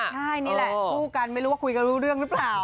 ใช่นี่แหละคู่กันไม่รู้ว่าคุยกันรู้เรื่องหรือเปล่า